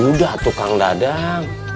udah tukang dadang